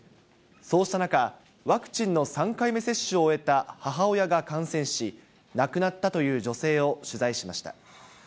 そうした中、ワクチンの３回目接種を終えた母親が感染し、亡くなったという女性を取材しました。